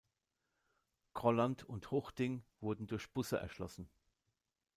Grolland und Huchting wurden durch Busse erschlossen.